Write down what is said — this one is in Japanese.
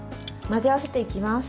混ぜ合わせていきます。